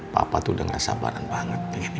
papa tuh gak sabaran banget dengan ini